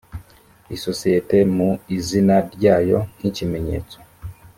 isosiyete mu izina ryayo nk ikimenyetso